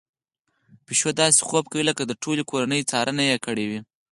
پيشو داسې خوب کوي لکه د ټولې کورنۍ څارنه يې کړې وي.